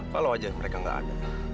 walau aja mereka gak ada